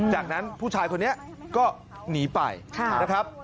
จากนั้นผู้ชายคนนี้ก็หนีไปนะครับ